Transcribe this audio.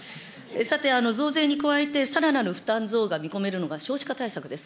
さて、増税に加えて、さらなる負担増が見込めるのが少子化対策です。